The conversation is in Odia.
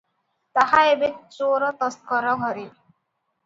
ତାହା ଏବେ ଚୋର ତସ୍କର ଘରେ ।